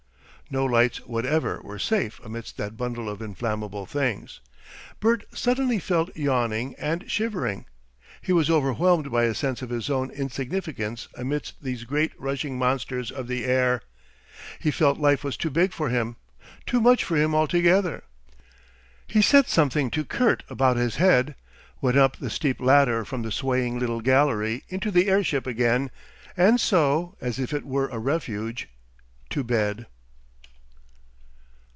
No lights whatever were safe amidst that bundle of inflammable things. Bert suddenly fell yawning and shivering. He was overwhelmed by a sense of his own insignificance amidst these great rushing monsters of the air. He felt life was too big for him too much for him altogether. He said something to Kurt about his head, went up the steep ladder from the swaying little gallery into the airship again, and so, as if it were a refuge, to bed.